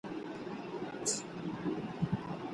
که الوتکې پر وخت الوتنه وکړي، نو د خلګو وخت نه ضایع کیږي.